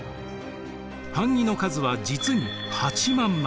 版木の数は実に８万枚。